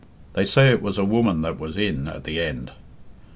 They say it was a women that was 'in' at the end.